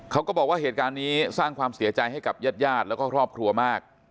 เขาก็บอกว่าเหตุการณ์นี้สร้างความเสียใจให้กับญาติญาติแล้วก็ครอบครัวมาก